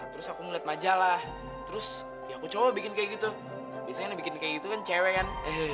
terus aku ngeliat majalah terus ya aku coba bikin kayak gitu biasanya bikin kayak gitu kan cewek kan